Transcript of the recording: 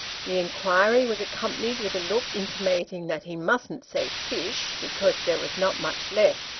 The inquiry was accompanied with a look intimating that he mustn't say fish, because there was not much left.